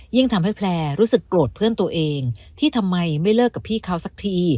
ยิ่งทำให้แพลร์รู้สึกโกรธเพื่อนตัวเองที่ทำไมไม่เลิกกับพี่เขาสักที